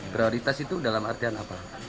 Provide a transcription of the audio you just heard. prioritas itu dalam artian apa